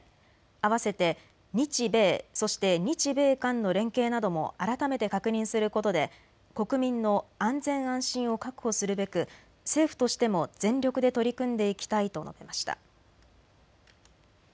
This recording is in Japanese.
あわせて日米、そして日米韓の連携なども改めて確認することで国民の安全・安心を確保するべく政府としても全力で取り組んでいきたいと述べました。